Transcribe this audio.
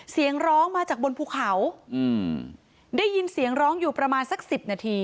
เสียงร้องมาจากบนภูเขาอืมได้ยินเสียงร้องอยู่ประมาณสักสิบนาที